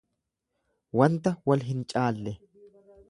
Wanta wal hin caalle.